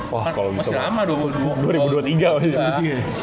wah kalo bisa banget masih lama